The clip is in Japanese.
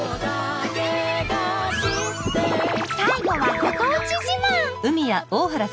最後はご当地自慢。